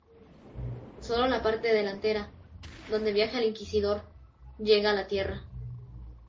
Sólo la parte delantera, donde viaja el Inquisidor, llega a la Tierra.